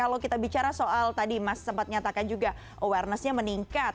dan kalau kita bicara soal tadi mas sempat nyatakan juga awarenessnya meningkat